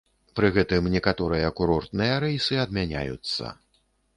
Пры гэтым некаторыя курортныя рэйсы адмяняюцца.